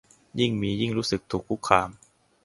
ยิ่งมียิ่งรู้สึกถูกคุกคาม